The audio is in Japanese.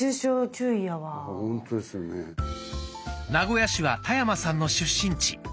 名古屋市は田山さんの出身地。